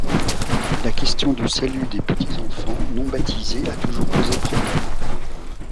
La question du Salut des petits enfants non baptisés a toujours posé problème.